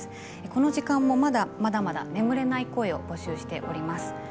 この時間もまだまだ眠れない声を募集しております。